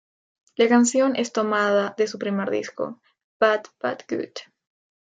La canción es tomado de su primer disco, "Bad But Good".